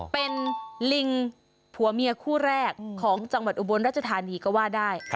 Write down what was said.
เป็นลิงผัวเมียคู่แรกของจังหวัดอุบลรัชธานีก็ว่าได้